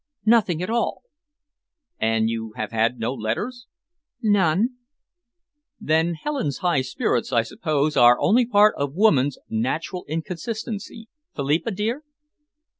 "Nothing at all." "And you have had no letters?" "None." "Then Helen's high spirits, I suppose, are only part of woman's natural inconsistency. Philippa, dear!"